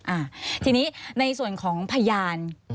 อ่าทีนี้ในส่วนของพยาน